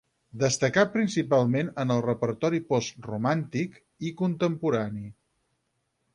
Destacà principalment en el repertori post romàntic i contemporani.